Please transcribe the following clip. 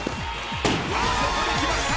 ここできました！